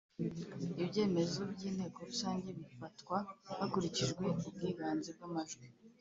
Ibyemezo by’Inteko Rusange bifatwa hakurikijwe ubwiganze bw’amajwi